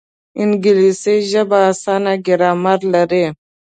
انګلیسي ژبه اسانه ګرامر لري